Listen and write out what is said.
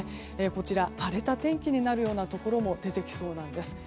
こちら荒れた天気になるようなところも出てきそうなんです。